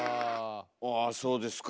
あそうですか。